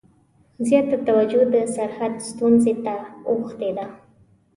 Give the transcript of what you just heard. زیاته توجه د سرحد ستونزې ته اوښتې ده.